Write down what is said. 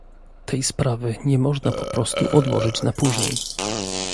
Tej sprawy nie można po prostu odłożyć na później